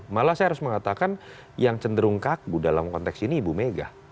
kita harus mengatakan yang cenderung kagum dalam konteks ini ibu mega